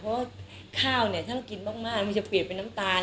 เพราะว่าข้าวเนี่ยถ้ากินมากมันจะเปลี่ยนเป็นน้ำตาล